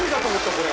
これ。